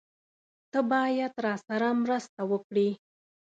تۀ باید راسره مرسته وکړې!